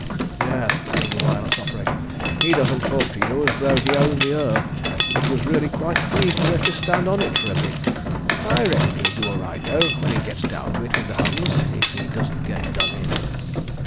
"Yes," agreed the "wireless" operator, "he doesn't talk to you as though he owned the earth, but was really quite pleased to let you stand on it for a bit. ... I reckon he'll do all right, though, when he gets down to it with the Huns—if he doesn't get done in.